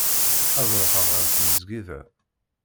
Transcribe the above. Ad ruḥeɣ ɣer tmezgida.